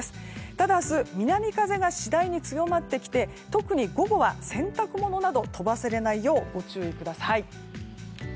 ただ、明日南風が次第に強まってきて特に午後は洗濯物など飛ばされないようご注意ください。